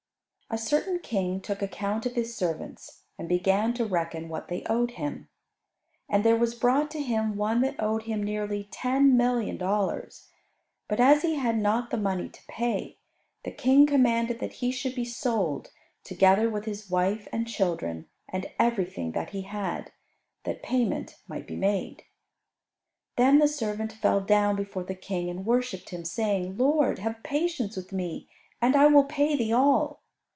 A certain King took account of his servants and began to reckon what they owed him. And there was brought to him one that owed him nearly ten million dollars. But as he had not the money to pay, the King commanded that he should be sold, together with his wife and children and everything that he had, that payment might be made. Then the servant fell down before the King and worshipped him, saying, "Lord, have patience with me, and I will pay thee all."